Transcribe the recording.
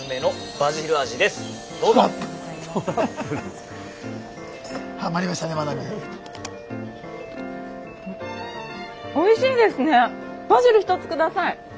バジル１つ下さい！